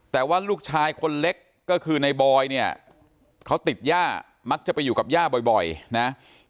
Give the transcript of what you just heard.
แต่ว่าลูกชายคนเล็กก็คือในบอยเนี่ยเขาติดย่ามักจะไปอยู่กับย่าบ่อยนะ